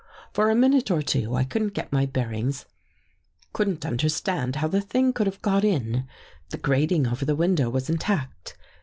" For a minute or two I couldn't get my bearings — couldn't understand how the thing could have got in. The grating over the window was intact.